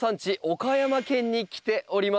岡山県に来ております。